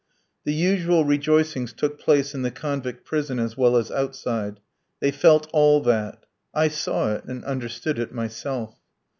The usual rejoicings took place in the convict prison as well as outside. They felt all that. I saw it, and understood it myself.